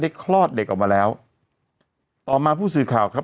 คลอดเด็กออกมาแล้วต่อมาผู้สื่อข่าวครับ